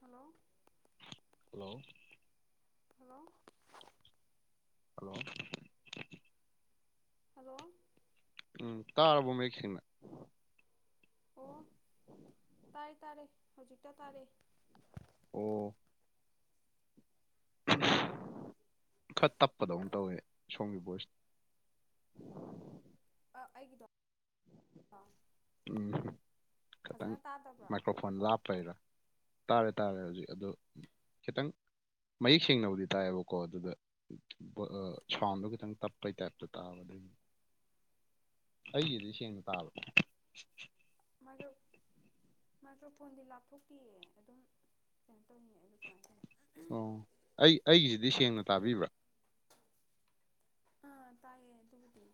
hello [inaudible] hello [inaudible] hello ꯎꯝ ꯇꯥꯔꯕ ꯃꯌ°ꯛꯁ°ꯡꯅ ꯑꯣ ꯇꯥꯏ ꯇꯥꯔꯦ ꯍꯧꯖꯤꯛꯇ ꯇꯥꯔꯦ ꯑꯣ [unintelligible] ꯈꯔ ꯇꯞꯄꯗꯧꯅ ꯇꯧꯋꯦ ꯁꯣꯝꯒꯤ ꯚꯣꯏꯁꯁꯦ ꯑꯥ ꯑꯩꯒꯤꯗꯣ ꯑꯥ ꯎꯝ ꯐꯖꯅ ꯇꯥꯗꯕ꯭ꯔꯣ ꯐꯣꯟ ꯂꯥꯞꯄꯩꯔꯥ ꯇꯥꯔꯦ ꯇꯥꯔꯦ ꯍꯧꯖꯤꯛ ꯑꯗꯨ ꯈꯤꯇꯪ ꯃꯌꯦꯛ ꯁꯦꯡꯅꯕꯨꯗꯤ ꯇꯥꯏꯌꯦꯕꯀꯣ ꯑꯗꯨꯗ ꯁꯥꯎꯟꯗꯣ ꯈꯤꯇꯪ ꯇꯞꯄꯩ ꯇꯥꯏꯞꯇ ꯇꯥꯕꯗ [inaudible] ꯑꯩꯒꯤꯗꯤ ꯁꯦꯡꯅ ꯇꯥꯕꯣ ꯃꯗꯨ ꯃꯥꯗꯣ ꯐꯣꯟꯗꯤ ꯂꯥꯞꯊꯣꯛꯇꯦꯑꯦ ꯑꯗꯨꯝ ꯀꯩꯅꯣ ꯇꯧꯅꯤꯡꯑ ꯑꯗꯨ ꯀꯃꯥꯏꯅ ꯇꯧꯅꯤ ꯑꯣ ꯑꯩ ꯑꯩꯒꯤꯁꯤꯗꯤ ꯁꯦꯡꯅ ꯇꯥꯕꯤꯕ꯭ꯔꯥ ꯑꯥ ꯇꯥꯏꯌꯦ ꯑꯥꯗꯨꯕꯨꯗꯤ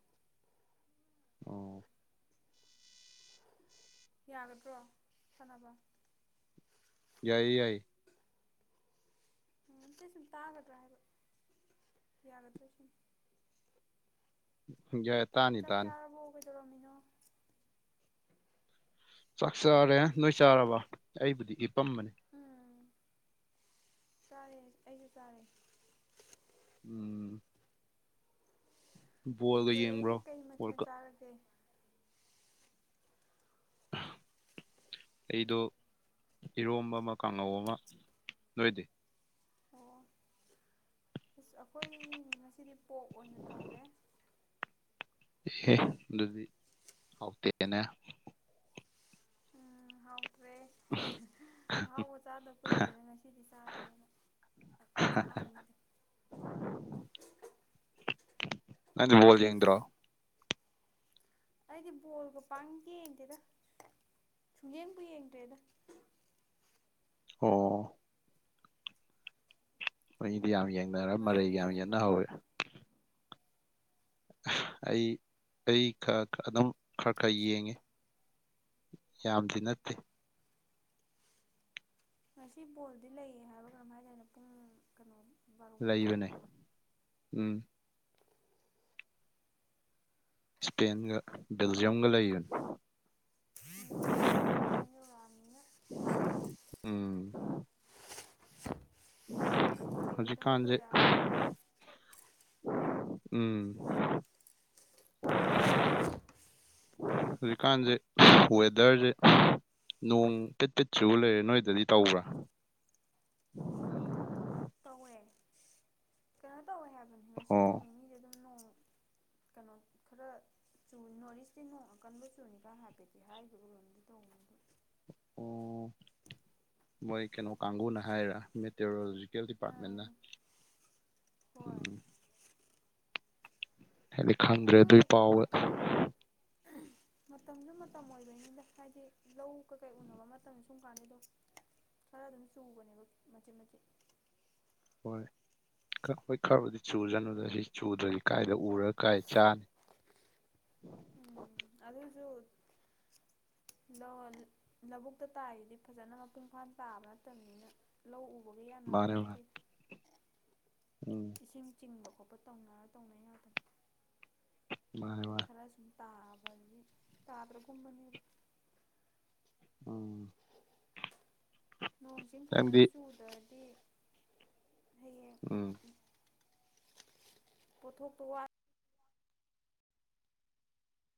ꯑꯣ ꯌꯥꯒꯗ꯭ꯔꯣ ꯁꯥꯟꯅꯕ ꯌꯥꯏꯌꯦ ꯌꯥꯏ ꯎꯝ ꯑꯝꯇꯩ ꯁꯨꯝ ꯇꯥꯒꯗ꯭ꯔꯥ ꯍꯥꯏꯕ ꯌꯥꯒꯗ꯭ꯔꯥ ꯁꯨꯝ ꯌꯥ ꯆꯥꯛ ꯆꯥꯔꯕꯣ ꯀꯩꯗꯧꯔꯝꯃꯤꯅꯣ ꯆꯥꯛ ꯆꯥꯔꯦ ꯅꯣꯏ ꯆꯥꯔꯕꯣ ꯑꯩꯕꯨꯗꯤ ꯍꯤꯞꯄꯝꯕꯅꯦ ꯎꯝ ꯆꯥꯔꯦ ꯑꯩꯗꯤ ꯆꯥꯔꯦ [inaudible] ꯕꯣꯜꯒ ꯕꯗꯔꯗꯤ ꯌꯦꯡꯕ꯭ꯔꯣ ꯀꯩ ꯃꯊꯦꯜ ꯕꯣꯜꯒ ꯆꯥꯔꯒꯦ ꯑꯩꯗꯣ ꯏꯔꯣꯝꯕ ꯑꯃ ꯀꯥꯡꯉꯧ ꯑꯃ ꯅꯣꯏꯗꯤ ꯑꯣ ꯑꯁ ꯑꯩꯈꯣꯏ ꯉꯁꯤꯗꯤ ꯄꯣꯛ ꯑꯣꯏꯅ ꯇꯧꯔꯦ ꯑꯦꯍꯦ ꯑꯗꯨꯗꯤ ꯍꯥꯎꯇꯦꯅꯦ ꯎꯝ ꯍꯥꯎꯇ꯭ꯔꯦ ꯑꯍꯥꯎꯕ ꯆꯥꯗꯕ ꯀꯨꯏꯔꯦꯅ ꯉꯁꯤꯗꯤ ꯆꯥꯒꯦꯅ ꯑ ꯆꯥ ꯃꯅꯤꯗ ꯅꯪꯗꯤ ꯕꯣꯜ ꯌꯦꯡꯗ꯭ꯔꯣ ꯑꯩꯗꯤ ꯕꯣꯜꯒ ꯄꯥꯡ ꯌꯦꯡꯗꯦꯗ ꯁꯨꯡꯌꯦꯡꯕꯨ ꯌꯦꯡꯗ꯭ꯔꯦꯗ ꯑꯣ ꯃꯤꯗꯤ ꯌꯥꯝ ꯌꯦꯡꯅꯔꯦ ꯕ꯭ꯔꯗꯔꯗꯤ ꯃꯔꯩꯒ ꯌꯥꯝ ꯌꯦꯡꯕ꯭ꯔꯣ ꯌꯦꯡꯅꯍꯧꯋꯦ ꯑꯩ ꯑꯩ ꯈ ꯑꯗꯨꯝ ꯈꯔ ꯈꯔ ꯌꯦꯡꯉꯦ ꯌꯥꯝꯗꯤ ꯅꯠꯇꯦ ꯉꯁꯤ ꯕꯣꯜꯗꯤ ꯂꯩꯌꯦ ꯍꯥꯏꯕ ꯀꯔꯝ ꯍꯥꯏ ꯇꯅꯣ ꯄꯨꯡ ꯀꯩꯅꯣ ꯕꯥꯔꯣ ꯃꯈꯥꯏ ꯂꯩꯕꯅꯦ ꯍꯥꯏꯕ꯭ꯔꯥꯅꯣ ꯎꯝ ꯏꯁꯄꯦꯟꯒ ꯀ꯭ꯋꯥꯇꯔ ꯕꯦꯜꯖꯤꯌꯝꯒ ꯂꯩꯕꯅꯤ ꯀꯋ꯭ ꯇꯔ ꯐꯥꯏꯅꯦꯜ ꯌꯧꯔꯛꯑꯥꯅꯥ ꯎꯝ ꯂꯣꯏꯗꯕ ꯍꯧꯖꯤꯛꯀꯥꯟꯁꯦ ꯀꯨꯏꯔꯛꯑꯔꯣꯏ ꯎꯝ [unintelligible] ꯍꯧꯖꯤꯛꯀꯥꯟꯁꯦ ꯋꯦꯗꯔꯁꯦ ꯅꯣꯡ ꯄꯤꯠ ꯄꯤꯠ ꯆꯨ ꯂꯩꯔꯦ ꯅꯣꯏꯗꯗꯤ ꯇꯧꯕ꯭ꯔꯥ [inaudible] ꯇꯧꯋꯦ ꯀꯩꯅꯣ ꯇꯧꯋꯦ ꯍꯥꯏꯕꯅꯦ ꯉꯁꯤ ꯅꯣꯡ ꯑꯣ ꯅꯤꯗ ꯑꯗꯨꯝ ꯅꯣꯡ ꯀꯩꯅꯣ ꯈꯔ ꯆꯨ ꯅꯣꯔꯠ ꯏꯁꯇꯤ ꯅꯣꯡ ꯑꯀꯟꯕ ꯆꯨꯅꯤꯒ ꯍꯥꯏꯐꯦꯠꯇꯤ ꯍꯥꯏꯈꯤꯕ ꯔꯣꯝꯗꯤ ꯇꯧꯕꯅꯤꯗꯣ ꯑꯣ ꯃꯣꯏ ꯀꯩꯅꯣ ꯀꯥꯒꯨꯅ ꯍꯥꯏꯔ ꯃꯤꯠ ꯇꯦꯔꯣꯂꯣꯖꯤꯀꯦꯜ ꯗꯤꯄꯥꯔꯠꯃꯦꯟꯅ ꯑꯥ ꯎꯝ ꯍꯣꯏ ꯍꯥꯏꯗꯤ ꯈꯪꯗ꯭ꯔꯦ ꯑꯗꯨ ꯑꯗꯨꯏ ꯄꯥꯎꯕ ꯃꯇꯝ ꯃꯇꯝꯁꯨ ꯃꯇꯝ ꯑꯣꯏꯕꯣꯏꯅꯤꯗ ꯍꯥꯏꯗꯤ ꯂꯧ ꯀꯩꯀꯩ ꯎꯅꯕ ꯃꯇꯝ ꯁꯨꯝ ꯀꯥꯟꯁꯤꯗꯨꯝ ꯈꯔ ꯑꯗꯨꯝ ꯆꯨꯕꯅꯦꯕ ꯃꯆꯤꯠ ꯃꯆꯤꯠ ꯍꯣꯏ ꯍꯣꯏ ꯈꯔꯕꯨꯗꯤ ꯆꯨꯖꯅꯨꯗ ꯁꯤ ꯆꯨꯗ꯭ꯔꯗꯤ ꯀꯥꯏꯗ ꯎꯔꯒ ꯀꯥꯏ ꯆꯥꯅꯤ ꯑꯗꯨꯁꯨ ꯂꯧ ꯂꯧꯕꯨꯛꯇ ꯇꯥꯔꯤꯗꯤ ꯐꯖꯅ ꯃꯄꯨꯡ ꯐꯥꯅ ꯇꯥꯕ ꯅꯠꯇꯕꯅꯤꯅ ꯂꯧ ꯎꯕꯒ ꯌꯥꯟꯅꯕ ꯃꯥꯅꯦ ꯃꯥꯅꯦ ꯅꯠꯇꯦ ꯎꯝ ꯏꯁꯤꯡ ꯆꯤꯡꯕ ꯈꯣꯠꯄ ꯇꯧꯅꯔ ꯇꯧꯅꯩ ꯉꯥꯛꯇꯅꯦ ꯃꯥꯅꯦ ꯃꯥꯅꯦ ꯈꯔ ꯁꯨꯝ ꯇꯥꯕꯒꯤ ꯇꯥꯕ꯭ꯔꯥꯒꯨꯝꯕꯅꯦꯕ ꯎꯝ ꯅꯣꯡꯆꯤꯡ ꯐꯖꯅ ꯅꯪꯗꯤ ꯆꯨꯗ꯭ꯔꯗꯤ ꯍꯌꯦꯡ ꯎꯝ ꯄꯣꯊꯣꯛꯇꯣ ꯋꯥꯠ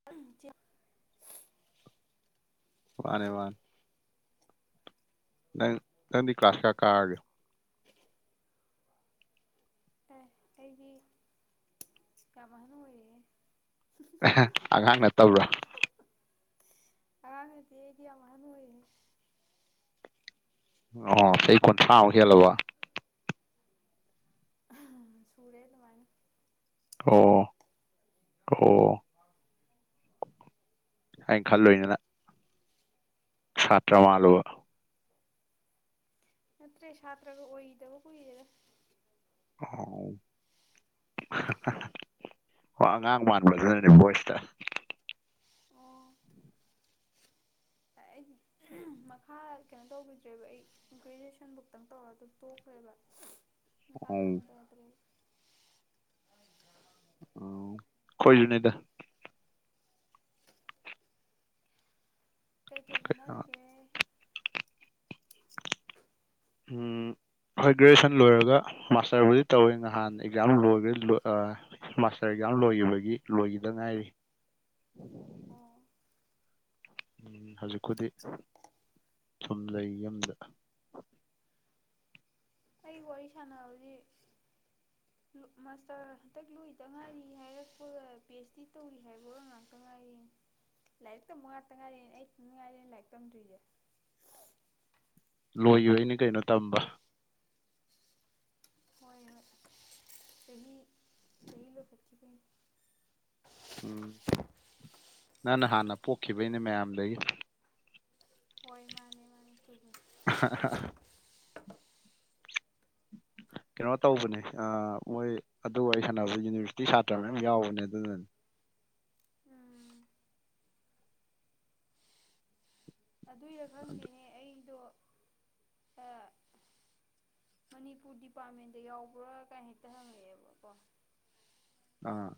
[unintelligible] ꯃꯥꯅꯦ ꯃꯥꯅꯦ ꯅꯪ ꯅꯪꯗꯤ ꯀ꯭ꯂꯥꯁ ꯀꯌꯥ ꯀꯥꯔꯒꯦ ꯑꯩꯗꯤ ꯌꯥꯝ ꯑꯍꯟ ꯑꯣꯏꯔꯦꯍꯦ [unintelligible] ꯑꯉꯥꯡ ꯅꯇꯕꯔꯣ ꯑꯉꯥꯡ ꯅꯠꯇꯦꯍꯦ ꯑꯩꯗꯤ ꯌꯥꯝ ꯑꯍꯟ ꯑꯣꯏꯔꯦ ꯑꯣ ꯆꯍꯤ ꯀꯨꯟꯊ꯭ꯔꯥ ꯃꯨꯛ ꯍꯦꯜꯂꯕꯣ ꯎꯝ ꯁꯨꯔꯦ ꯑꯗꯨꯃꯥꯏꯅ ꯑꯣ ꯑꯣ ꯑꯩꯅ ꯈꯜꯂꯨꯏꯅꯤꯅ ꯁꯥꯇ꯭ꯔ ꯃꯥꯜꯂꯨꯕ ꯅꯠꯇ꯭ꯔꯦ ꯁꯥꯇ꯭ꯔꯒ ꯑꯣꯏꯒꯤꯗꯕ ꯀꯨꯏꯔꯦꯗ ꯑꯍꯥꯎ ꯋꯥ ꯑꯉꯥꯡ ꯃꯥꯟꯕꯗꯨꯅꯅꯦ ꯚꯣꯏꯁꯇ ꯑꯩꯗꯤ ꯃꯈꯥ ꯀꯩꯅꯣ ꯇꯧꯒꯤꯗ꯭ꯔꯦꯕ ꯑꯩ ꯒ꯭ꯔꯦꯖ꯭ꯋꯦꯁꯟ ꯕꯧꯇꯪ ꯇꯧꯔ ꯑꯗꯨꯝ ꯇꯣꯛꯈ꯭ꯔꯦꯕ ꯃꯈꯥ ꯎꯝ ꯇꯝꯗꯗ꯭ꯔꯦꯕ ꯑꯣ ꯑꯩꯈꯣꯏꯖꯨꯅꯤꯗ ꯀꯩ ꯀꯩ ꯑ ꯍꯣꯠꯅꯔꯤꯒꯦ ꯎꯝ ꯍꯣꯏ ꯒ꯭ꯔꯦꯖꯨꯑꯦꯁꯟ ꯂꯣꯏꯔꯒ ꯃꯥꯁꯇꯔꯕꯨꯗꯤ ꯇꯧꯋꯦ ꯅꯍꯥꯟ ꯑꯦꯛꯖꯥꯝ ꯂꯣꯏꯈ꯭ꯔꯦ ꯂꯣꯏ ꯑ ꯃꯥꯁꯇꯔ ꯑꯦꯛꯖꯝ ꯂꯣꯏꯈꯤꯕꯒꯤ ꯂꯣꯏꯈꯤꯗ ꯉꯥꯏꯔꯤ [inaudible] ꯎꯝ ꯍꯧꯖꯤꯛꯄꯨꯗꯤ ꯁꯨꯝ ꯂꯩ ꯌꯨꯝꯗ ꯑꯩ ꯋꯥꯔꯤ ꯁꯥꯟꯅꯕ [unintelligible] ꯃꯥꯁꯇꯔ ꯍꯟꯇꯛ ꯂꯣꯏꯗ ꯉꯥꯏꯔꯤ ꯍꯥꯏꯔꯛꯄ ꯄꯤ ꯑꯩꯆ ꯗꯤ ꯇꯧꯔꯤ ꯍꯥꯏꯕ ꯉꯥꯛꯇ ꯉꯥꯏꯔꯦ ꯂꯥꯏꯔꯤꯛ ꯇꯝꯕ ꯉꯥꯛꯇ ꯉꯥꯏꯔꯦꯅꯦ ꯑꯩ ꯏꯊꯟ ꯉꯥꯏꯔꯦ ꯂꯥꯏꯔꯤꯛ ꯇꯝꯗ꯭ꯔꯤꯁꯦ ꯂꯣꯏꯒꯤꯕꯩꯅꯦ ꯀꯩꯅꯣ ꯇꯝꯕ ꯍꯣꯏ ꯍꯣꯏ ꯆꯍꯤ ꯆꯍꯤ ꯂꯣꯏꯈꯠꯈꯤꯕꯩꯅꯤ ꯎꯝ ꯅꯪꯅ ꯍꯥꯟꯅ ꯄꯣꯛꯈꯤꯕꯩꯅꯦ ꯃꯌꯥꯝꯗꯒꯤ ꯍꯣꯏ ꯃꯥꯅꯦ ꯃꯥꯅꯦ ꯆꯨꯝꯃꯦ ꯍꯥ [unintelligible] ꯀꯩꯅꯣ ꯇꯧꯕꯅꯦ ꯑ ꯃꯣꯏ ꯑꯗꯨ ꯋꯥꯔꯤ ꯁꯥꯟꯅꯕ ꯌꯨꯅꯤꯚꯔꯁꯤꯇꯤ ꯁꯥꯇ꯭ꯔ ꯃꯌꯥꯝ ꯌꯥꯎꯕꯅꯦ ꯑꯗꯨꯅꯅꯤ ꯎꯝ ꯑꯗꯨꯏꯔꯥ ꯈꯪꯗꯦꯅꯦ ꯑꯩꯗꯣ ꯑ ꯃꯅꯤꯄꯨꯔ ꯗꯤꯄꯥꯔꯠꯃꯦꯟꯗ ꯌꯥꯎꯕ꯭ꯔꯥ ꯀꯥꯏ ꯍꯦꯛꯇ ꯍꯪꯉꯛꯑꯦꯕꯀꯣ ꯑꯥ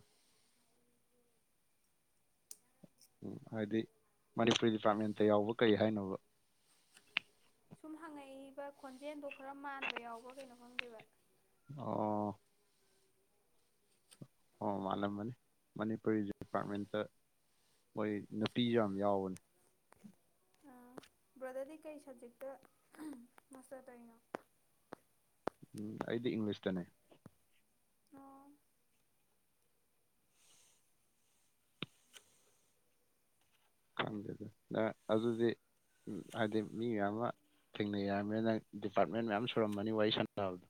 ꯎꯝ ꯍꯥꯏꯗꯤ ꯃꯅꯤꯄꯨꯔꯤ ꯗꯤꯄꯥ꯭ꯔꯠꯃꯦꯟꯇ ꯌꯥꯎꯕ ꯀꯩ ꯍꯥꯏꯅꯣꯕ ꯁꯨꯝ ꯍꯪꯉꯛꯏꯕ ꯈꯣꯟꯖꯦꯟꯗꯣ ꯈꯔ ꯃꯥꯟꯕ ꯌꯥꯎꯕ꯭ꯔꯥ ꯀꯩꯅꯣ ꯈꯪꯗꯦꯕ ꯑꯣ ꯑꯣ ꯑꯣ ꯃꯥꯜꯂꯝꯃꯅꯤ ꯃꯅꯤꯄꯨꯔꯤ ꯗꯤꯄꯥ꯭ꯔꯠꯃꯦꯟꯇ ꯃꯣꯏ ꯅꯨꯄꯤꯁꯨ ꯌꯥꯝ ꯌꯥꯎꯕꯅꯤ ꯕ꯭ꯔꯗꯔꯗꯤ ꯀꯩ ꯁꯕꯖꯦꯛꯇ ꯃꯥꯁꯇꯔ ꯇꯔꯤꯅꯣ ꯎꯝ ꯑꯩꯗꯤ ꯏꯪꯂꯤꯁꯇꯅꯦ ꯑꯣ ꯈꯪꯗꯦꯗ ꯅꯪ ꯑꯗꯨꯗꯤ ꯎꯝ ꯍꯥꯏꯗꯤ ꯃꯤ ꯃꯌꯥꯝ ꯑꯃ ꯊꯦꯡꯅꯩ ꯍꯥꯏꯕꯅꯤꯅ ꯅꯪ ꯗꯤꯄꯥ꯭ꯔꯠꯃꯦꯟ ꯃꯌꯥꯝ ꯁꯨꯔꯝꯃꯅꯤ ꯋꯥꯔꯤ ꯁꯥꯟꯅꯕꯗꯣ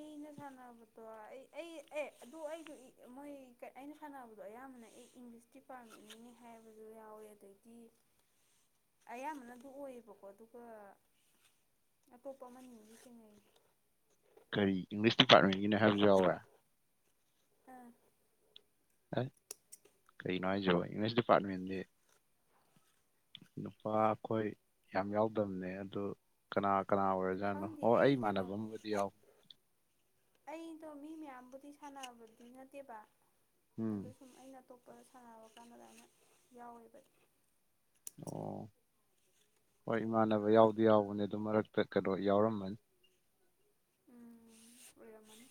ꯑꯩꯅ ꯁꯥꯟꯅꯕꯗꯣ ꯑꯩ ꯑꯩ ꯑꯦ ꯑꯗꯨ ꯑꯩꯗꯣ ꯃꯣꯏ ꯑꯩꯅ ꯁꯥꯟꯅꯕꯗꯣ ꯑꯌꯥꯝꯕꯅ ꯑꯩ ꯏꯪꯂꯤꯁ ꯗꯤꯄꯥ꯭ꯔꯠꯃꯦꯟꯒꯤꯅꯤ ꯍꯥꯏꯕꯖꯨ ꯌꯥꯎꯋꯦ ꯑꯗꯩꯗꯤ ꯑꯌꯥꯝꯕꯅ ꯑꯗꯨ ꯑꯣꯏꯌꯦꯕꯀꯣ ꯑꯗꯨꯒ ꯑꯇꯣꯞꯄ ꯑꯃꯅꯤ ꯑꯃꯖꯨ ꯊꯦꯡꯅꯩꯌꯦ ꯀꯔꯤ ꯏꯪꯂꯤꯁ ꯗꯤꯄꯥ꯭ꯔꯠꯃꯦꯟꯒꯤꯅꯤ ꯍꯥꯏꯕꯁꯨ ꯌꯥꯎꯋꯦ ꯑꯥ ꯀꯩꯩꯅꯣ ꯍꯥꯏꯖꯤꯕꯣ ꯏꯪꯂꯤꯁ ꯗꯤꯄꯥ꯭ꯔꯠꯃꯦꯟꯗꯤ ꯅꯨꯄꯥ ꯑꯩꯈꯣꯏ ꯌꯥꯝ ꯌꯥꯎꯗꯕꯅꯦ ꯑꯗꯨ ꯀꯅꯥ ꯀꯅꯥ ꯑꯣꯏꯔ ꯈꯪꯗꯦ ꯑꯩ ꯀꯩꯅꯣ ꯑꯩ ꯑꯩꯗꯣ ꯃꯤ ꯃꯌꯥꯝꯕꯨꯗꯤ ꯁꯥꯟꯅꯕꯗꯤ ꯅꯠꯇꯦꯕ ꯑꯗꯨ ꯎꯝ ꯁꯨꯝ ꯑꯩꯅ ꯑꯇꯣꯞꯄꯗ ꯁꯥꯟꯅꯕ ꯀꯥꯟꯗ ꯑꯗꯥꯏꯅ ꯌꯥꯎꯋꯦꯕ ꯑꯣ ꯍꯣꯏ ꯏꯃꯥꯟꯅꯕ ꯌꯥꯎꯗꯤ ꯌꯥꯎꯕꯅꯦ ꯑꯗꯨꯝ ꯃꯔꯛꯇ ꯀꯩꯅꯣ ꯌꯥꯎꯔꯝꯃꯅꯤ ꯎꯝ ꯑꯣꯏꯔꯝꯃꯅꯤ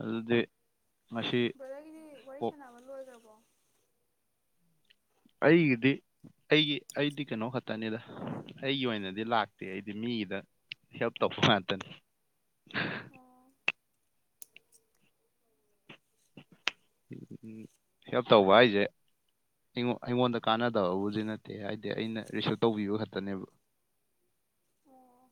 ꯑꯗꯨꯗꯤ ꯉꯁꯤ ꯕ꯭ꯔꯗꯔꯒꯤꯗꯤ ꯄꯣꯞ ꯋꯥꯔꯤ ꯁꯥꯟꯅꯕ ꯂꯣꯏꯒ꯭ꯔꯕꯣ ꯑꯩꯒꯤꯗꯤ ꯑꯩꯒꯤ ꯑꯩꯗꯤ ꯀꯩꯅꯣ ꯈꯛꯇꯅꯤꯗ ꯑꯩꯒꯤ ꯑꯣꯏꯅꯗꯤ ꯂꯥꯛꯇꯦ ꯑꯩꯗꯤ ꯃꯤꯒꯤꯗ ꯍꯦꯕ ꯇꯞ ꯃꯥ ꯇ ꯍ [inaudible] ꯎ ꯍꯦꯜꯞ ꯇꯧꯕ ꯑꯩꯁꯦ ꯑꯩꯉ ꯑꯩꯉꯣꯟꯗ ꯀꯥꯟꯅꯗꯕꯕꯨꯖꯤ ꯅꯠꯇꯦ ꯍꯥꯏꯗꯤ ꯑꯩꯅ ꯔꯤꯁꯞ ꯇꯧꯕꯤꯕ ꯈꯛꯇꯅꯦꯕ ꯑꯣ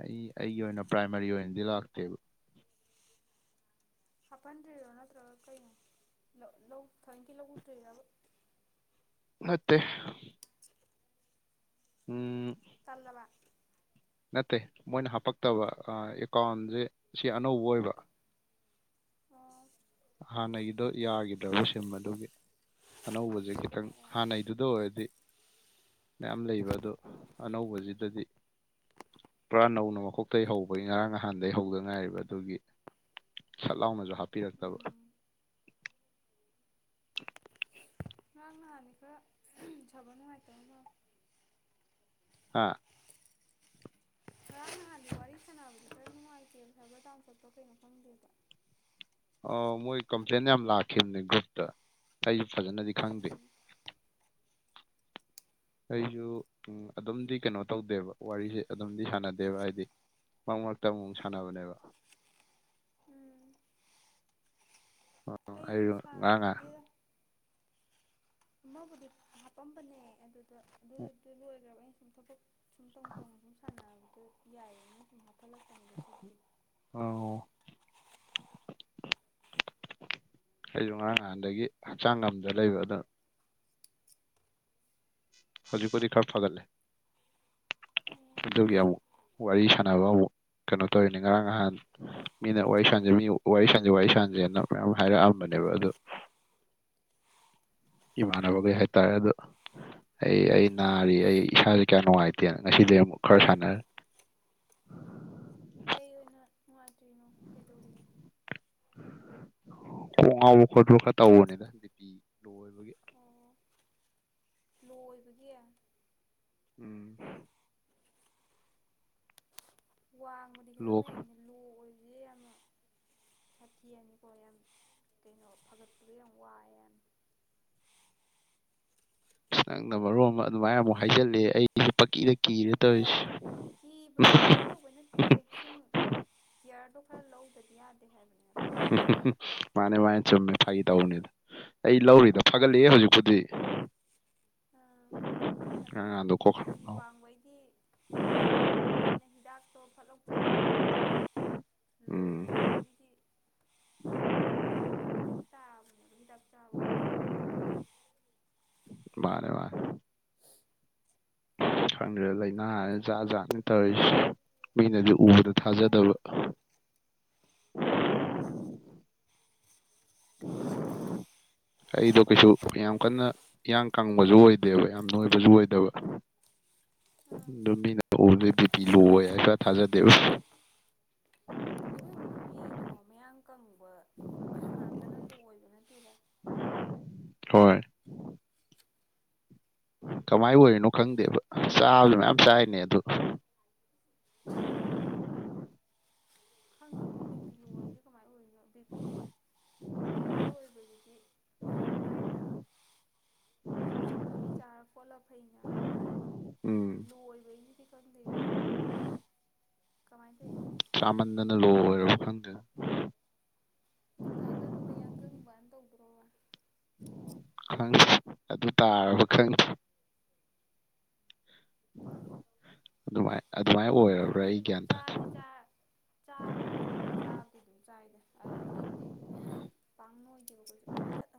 ꯑꯩ ꯑꯩꯒꯤ ꯑꯣꯏꯅ ꯄ꯭ꯔꯥꯏꯃꯥꯔꯤ ꯑꯣꯏꯅꯗꯤ ꯂꯥꯛꯇꯦꯕ ꯍꯥꯞꯍꯟꯗ꯭ꯔꯤꯔ ꯅꯠꯇ꯭ꯔꯒ ꯀꯩꯅꯣ ꯊꯦꯟꯒꯤ ꯂꯧ ꯎꯗ꯭ꯔꯤꯔ ꯃꯦ ꯎꯝ ꯇꯜꯂꯕ ꯅꯠꯇꯦ ꯃꯣꯏꯅ ꯍꯥꯞꯄꯛꯇꯕ ꯑ ꯑꯦꯀꯥ꯭ꯎꯟꯖꯦ ꯁꯤ ꯑꯅꯧꯕ ꯑꯣꯏꯕ ꯑꯣ ꯑꯣ ꯍꯥꯟꯅꯒꯤꯗꯣ ꯌꯥꯒꯤꯗ꯭ꯔꯕ ꯁꯤꯝ ꯑꯗꯨꯒꯤ ꯑꯅꯧꯕꯖꯦ ꯈꯤꯇꯪ ꯑꯣ ꯍꯥꯟꯅꯩꯗꯨꯗ ꯑꯣꯏꯔꯗꯤ ꯃꯌꯥꯝ ꯂꯩꯕ ꯑꯗꯣ ꯑꯅꯧꯕꯖꯤꯗꯗꯤ ꯄꯨꯔꯥ ꯅꯧꯅ ꯃꯀꯣꯛꯇꯩ ꯍꯧꯕꯒꯤ ꯉꯔꯥꯡ ꯅꯍꯥꯟꯗꯒꯤ ꯍꯧꯗ ꯉꯥꯏꯔꯤꯕ ꯑꯗꯨꯒꯤ ꯁꯠ ꯂꯥꯎꯅꯁꯨ ꯍꯥꯞꯄꯤꯔꯛꯇꯕ ꯎꯝ ꯉꯔꯥꯡ ꯅꯍꯥꯟꯅꯤ ꯈꯔ ꯁꯥꯕ ꯅꯨꯡꯉꯥꯏꯇꯕ ꯃꯥꯜꯂꯤ ꯍꯥ ꯉꯔꯥꯡ ꯅꯍꯥꯟꯒꯤ ꯋꯥꯔꯤ ꯁꯥꯟꯅꯕꯁ ꯈꯔ ꯅꯨꯡꯉꯥꯏꯇꯦ ꯍꯥꯏꯕ ꯇꯥ ꯈꯣꯠꯇꯣ ꯀꯩꯅꯣ ꯐꯪꯗꯦꯕ ꯑ ꯃꯣꯏ ꯀꯝꯄ꯭ꯂꯦꯟ ꯌꯥꯝ ꯂꯥꯛꯈꯤꯕꯅꯦ ꯒ꯭ꯔꯨꯞꯇ ꯑꯩꯁꯨ ꯐꯖꯅꯗꯤ ꯈꯪꯗꯦ ꯎꯝ [inaudible] ꯑꯩꯁꯨ ꯎꯝ ꯑꯗꯨꯝꯗꯤ ꯀꯩꯅꯣ ꯇꯧꯗꯦꯕ ꯋꯥꯔꯤꯁꯦ ꯑꯗꯨꯝꯗꯤ ꯁꯥꯟꯅꯗꯦꯕ ꯍꯥꯏꯗꯤ ꯃꯛ ꯃꯔꯛꯇ ꯑꯃꯨꯛ ꯁꯥꯟꯅꯕꯅꯦꯕ ꯎꯝ ꯑꯩꯁꯨ ꯉꯔꯥꯡ ꯉꯍꯥꯟ ꯁꯥꯟꯅꯗꯦꯗ ꯑꯃꯕꯨꯗꯤ ꯍꯥꯄꯝꯕꯅꯦ ꯑꯗꯨꯗ ꯑꯗꯨꯗꯨ ꯂꯣꯏꯈ꯭ꯔꯕ ꯑꯩꯅ ꯁꯨꯝ ꯊꯕꯛ ꯁꯨꯝ ꯇꯧ ꯇꯧꯅ ꯁꯨꯝ ꯁꯥꯟꯅꯕꯗꯣ ꯌꯥꯏꯌꯦꯅ ꯁꯨꯝ ꯋꯥꯐꯠꯂꯛꯛꯇꯗꯁꯨ ꯑꯗꯨ ꯑ ꯑꯩꯁꯨ ꯉꯔꯥꯡ ꯅꯍꯥꯟꯗꯒꯤ ꯍꯛꯆꯥꯡ ꯑꯃꯗ ꯂꯩꯕ ꯑꯗꯨꯣ ꯍꯧꯖꯤꯛ ꯀꯖꯤꯗꯤ ꯈꯔ ꯐꯒꯠꯂꯦ ꯑꯣ ꯑꯗꯨꯒꯤ ꯑꯃꯨꯛ ꯋꯥꯔꯤ ꯁꯥꯟꯅꯕ ꯑꯃꯨꯛ ꯀꯩꯅꯣ ꯇꯧꯔꯤꯅꯤ ꯉꯔꯥꯡ ꯅꯍꯥꯟ ꯃꯤꯅ ꯋꯥꯔꯤ ꯁꯥꯟꯖꯦ ꯃꯤ ꯋꯥꯔꯤ ꯁꯥꯟꯖꯦ ꯋꯥꯔꯤ ꯁꯥꯟꯖꯦꯅ ꯃꯌꯥꯝ ꯍꯥꯏꯔꯛꯑꯝꯕꯅꯦꯕ ꯑꯗꯨꯣ ꯏꯃꯥꯟ ꯑꯣꯏꯒꯩ ꯍꯥꯏꯇꯥꯔꯦ ꯑꯗꯨ ꯑꯩ ꯑꯩ ꯅꯥꯔꯤ ꯑꯩ ꯏꯁꯥꯁꯦ ꯀꯌꯥ ꯅꯨꯡꯉꯥꯏꯇꯦꯅ ꯉꯁꯤꯗꯤ ꯑꯃꯨꯛ ꯈꯔ ꯁꯥꯟꯅꯔ ꯀꯩ ꯑꯣꯏꯅ ꯅꯨꯡꯉꯥꯏꯇ꯭ꯔꯤꯅꯣ ꯀꯩꯗꯧꯔꯤ ꯥꯎ ꯈꯠ꯭ꯔ ꯈ ꯇꯕꯅꯤꯗ ꯕꯤ ꯂꯣꯣꯏꯕꯒꯤ ꯀꯣꯏꯕꯒꯤ ꯎꯝ ꯋꯥꯡꯕꯗꯤ ꯂꯣ ꯈꯔ ꯃꯌꯥꯝꯅꯤ ꯂꯣ ꯑꯣꯏꯁꯦ ꯌꯥꯝꯅ ꯊꯈꯤꯤꯔꯅꯤꯀꯣ ꯌꯥꯝ ꯀꯩꯅꯣ ꯐꯒꯠꯄꯗꯣ ꯌꯥꯝ ꯋꯥꯏꯑꯦ ꯌꯥꯝ ꯑꯁ ꯅꯪꯅ ꯃꯔꯣ ꯑꯃ ꯑꯗꯨꯃꯥꯏꯅ ꯑꯃꯨꯛ ꯍꯥꯏꯖꯜꯂꯦ ꯑꯩꯁꯨ ꯄꯀꯤꯗ ꯀꯤꯔꯦ ꯅꯠꯇꯦ ꯇꯧꯔꯤꯁꯦ ꯀꯤꯕ ꯀꯩꯅꯣ ꯇꯧꯕ ꯅꯠꯇꯦꯍꯦ ꯁꯨꯝ ꯏꯌꯥꯔꯗꯣ ꯈꯔ ꯂꯧꯕꯗꯤ ꯌꯥꯗꯦ ꯍꯥꯏꯕꯅꯦꯕ [unintelligible] ꯃꯥꯅꯦ ꯃꯥꯅꯦ ꯆꯨꯝꯃꯦ ꯐꯩ ꯇꯧꯕꯅꯤ ꯑꯩ ꯂꯧꯔꯤꯗ ꯐꯒꯠꯂꯛꯑꯦ ꯍꯧꯖꯤꯛꯄꯨꯗꯤ ꯑꯥ ꯎ ꯑꯗꯨꯅ ꯍꯥꯏꯗꯤ ꯕꯤꯇꯤ ꯋꯥꯡꯕꯩꯗꯤ ꯋꯥꯡꯉꯦ ꯈꯣꯠꯂꯦꯅ ꯍꯤꯗꯥꯛꯇꯣ ꯐꯠꯂꯧ ꯆꯥꯥꯁꯟꯅꯤꯉꯏꯗꯅ ꯂꯣ ꯎꯝ ꯑꯣꯏꯕꯒꯤꯗꯤ ꯐꯇ ꯆꯥꯕꯅꯤ ꯍꯤꯗꯥꯞ ꯆꯥꯕꯒꯣꯄ ꯇꯣ ꯔꯦ ꯔꯦ ꯈꯪꯗ꯭ꯔꯦ ꯂꯥꯏꯅꯥ ꯍꯥꯏꯔ ꯖꯥꯠ ꯖꯥꯠꯅꯦ ꯇꯧꯔꯤꯁꯦ ꯃꯤꯅꯗꯤ ꯎꯕꯗ ꯃꯥꯅꯤ ꯊꯥꯖꯗꯕ [unintelligible] ꯑꯩꯗꯣ ꯀꯩꯁꯨ ꯌꯥꯝ ꯀꯟꯅ ꯏꯌꯥꯡ ꯀꯪꯕꯁꯨ ꯑꯣꯏꯗꯦꯕ ꯌꯥꯝ ꯅꯣꯏꯕꯁꯨ ꯑꯣꯏꯗꯕ ꯑꯥ ꯑꯗꯨꯝ ꯃꯤꯅ ꯎꯕꯗ ꯑꯩ ꯕꯤ ꯄꯤ ꯂꯣ ꯑꯣꯏ ꯍꯥꯏꯕꯗ ꯊꯥꯖꯗꯦꯕ ꯑꯗꯨꯕꯨꯗꯤ ꯃꯤꯗꯣ ꯃꯌꯥꯡ ꯀꯪꯕ ꯉꯥꯛꯇꯅ ꯂꯣ ꯑꯣꯏꯕ ꯅꯠꯇꯦꯗ ꯍꯣꯏ ꯀꯃꯥꯏ ꯑꯣꯏꯔꯤꯅꯣ ꯈꯪꯗꯦꯕ ꯆꯥꯕꯁꯨ ꯃꯌꯥꯝ ꯆꯥꯏꯔꯤꯅꯦ ꯑꯗꯨ ꯈꯪꯗꯦꯕꯣ ꯕꯤ ꯄꯤ ꯂꯣ ꯑꯣꯏꯔꯤꯁꯦ ꯀꯃꯥꯏꯅ ꯑꯣꯏꯔꯤꯅꯣ ꯕꯤ ꯄꯤ ꯍꯥꯏ ꯑꯣꯏꯕꯗꯨꯗꯤ ꯃꯥꯒꯤ ꯒꯨꯂꯤ ꯆꯥꯔ ꯈꯣꯠꯂꯒ ꯐꯩꯩꯅ ꯎꯝ ꯂꯣꯏꯕꯩꯅꯤ ꯀꯪꯗꯅꯤ ꯀꯃꯥꯏꯗꯅꯦ ꯆꯥꯃꯟꯗꯅ ꯂꯣ ꯑꯣꯏꯔꯕ ꯈꯪꯗꯦ ꯆꯥꯒꯟꯕ ꯌꯥꯡꯒꯪꯕꯅ ꯇꯧꯗ꯭ꯔꯣ ꯈꯪꯦ ꯑꯗꯨ ꯇꯥꯔꯕ ꯈꯪꯗꯦ ꯑꯗꯨꯃꯥꯏ ꯑꯗꯨꯃꯥꯏꯅ ꯑꯣꯏꯔꯕ꯭ꯔꯥ ꯑꯩ ꯒ꯭ꯌꯥꯟꯇ ꯗꯤ ꯆ ꯆꯥꯕꯁꯦ ꯑꯗꯨꯝ ꯆꯥꯕꯗꯤ ꯑꯗꯨꯝ ꯆꯥꯏꯅꯦ ꯑꯗ ꯅꯣꯏꯕꯨꯗꯤ ꯄꯥꯡꯅ ꯑꯣꯏꯗꯤꯑꯣ [unintelligible]